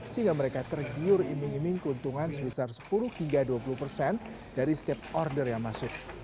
sehingga mereka tergiur iming iming keuntungan sebesar sepuluh hingga dua puluh persen dari setiap order yang masuk